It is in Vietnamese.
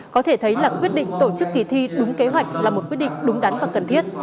có thể thấy là quyết định tổ chức kỳ thi đúng kế hoạch là một quyết định đúng đắn và cần thiết